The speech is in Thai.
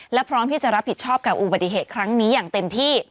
และพร้อมที่จะรับผิดชอบกับอุบัติเหตุครั้งนี้อย่างเต็มที่